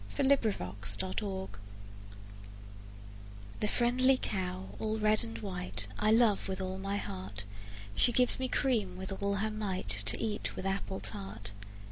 XXIII The Cow The friendly cow all red and white, I love with all my heart: She gives me cream with all her might, To eat with apple tart.